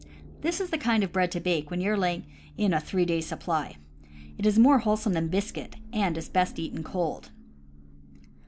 This is the kind of bread to bake when you are laying in a three days' supply. It is more wholesome than biscuit, and is best eaten cold.